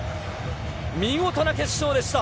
見事な決勝でした。